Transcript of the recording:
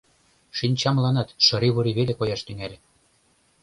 Шинчамланат шыри-вури веле кояш тӱҥале.